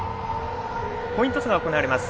コイントスが行われます。